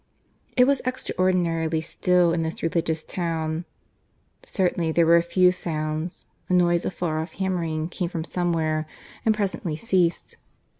It was extraordinarily still in this Religious town. Certainly there were a few sounds; a noise of far off hammering came from somewhere and presently ceased.